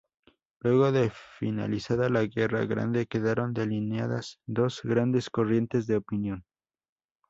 Luego de finalizada la Guerra Grande quedaron delineadas dos grandes corrientes de opinión.